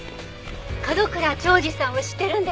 角倉長治さんを知ってるんですか？